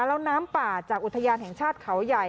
แล้วน้ำป่าจากอุทยานแห่งชาติเขาใหญ่